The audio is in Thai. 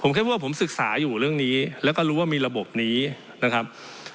ผมแค่พูดว่าผมศึกษาอยู่เรื่องนี้แล้วก็รู้ว่ามีระบบนี้นะครับ